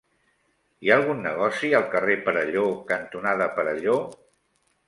Hi ha algun negoci al carrer Perelló cantonada Perelló?